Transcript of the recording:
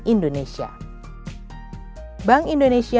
bank indonesia mendukung penciptaan aktivitas karya kreatif di indonesia